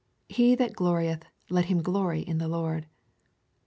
He that glorieth let him glory in the Lord.